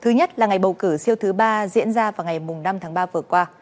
thứ nhất là ngày bầu cử siêu thứ ba diễn ra vào ngày năm tháng ba vừa qua